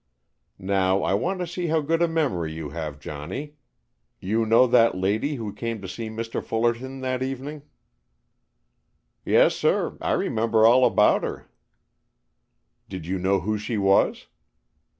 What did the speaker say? "Now I want to see how good a memory you have, Johnny. You know that lady who came to see Mr. Fullerton that evening, " "Yes, sir, I remember all about her." "Did you know who she was?"